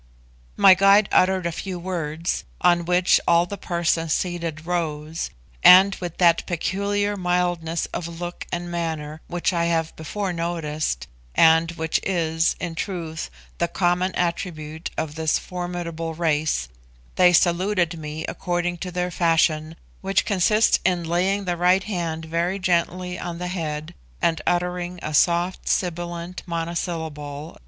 My guide uttered a few words, on which all the persons seated rose, and with that peculiar mildness of look and manner which I have before noticed, and which is, in truth, the common attribute of this formidable race, they saluted me according to their fashion, which consists in laying the right hand very gently on the head and uttering a soft sibilant monosyllable S.